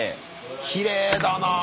きれいだなあ。